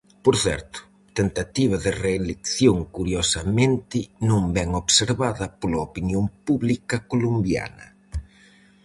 Por certo, tentativa de reelección curiosamente non ben observada pola opinión pública colombiana.